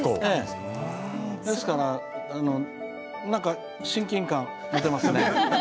ですから親近感ありますね。